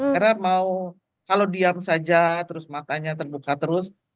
karena mau kalau diam saja terus matanya terbuka terus